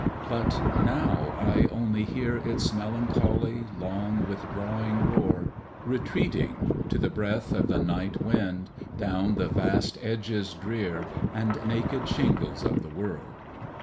But now I only hear Its melancholy, long, withdrawing roar, Retreating, to the breath Of the night wind, down the vast edges drear And naked shingles of the world.